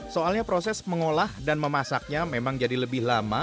soalnya proses mengolah dan memasaknya memang jadi lebih lama